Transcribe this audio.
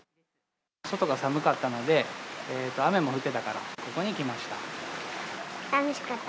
外が寒かったので、雨も降ってたから、ここに来ました。